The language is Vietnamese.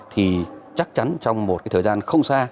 thì chắc chắn trong một cái thời gian không xa